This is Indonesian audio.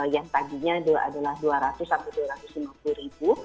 yang tadinya adalah dua ratus sampai dua ratus lima puluh ribu